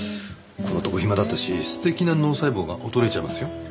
ここのところ暇だったし素敵な脳細胞が衰えちゃいますよ。